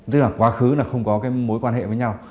tức là quá khứ là không có cái mối quan hệ với nhau